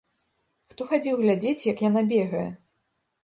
Хто хадзіў глядзець, як яна бегае?